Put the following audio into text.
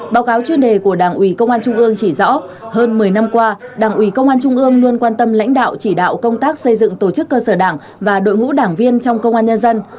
báo cáo chuyên đề của đảng ủy công an trung ương chỉ rõ hơn một mươi năm qua đảng ủy công an trung ương luôn quan tâm lãnh đạo chỉ đạo công tác xây dựng tổ chức cơ sở đảng và đội ngũ đảng viên trong công an nhân dân